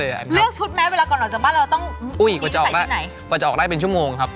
เลือกชุดเวลาก่อนออกจากบ้านเราต้องอุ๊ยอะว่าจะออกได้เป็นชั่วโมงครับ